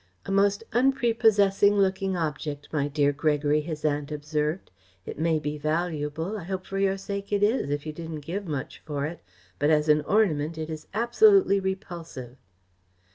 "A most unprepossessing looking object, my dear Gregory," his aunt observed. "It may be valuable I hope for your sake it is, if you didn't give much for it but as an ornament it is absolutely repulsive."